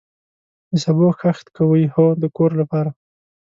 د سبو کښت کوئ؟ هو، د کور لپاره